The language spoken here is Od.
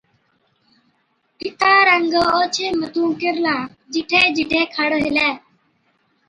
ڦِڪا رنگ اوڇي مٿُون ڪِرلا، جِٺي جِٺي کڙ هِلَي،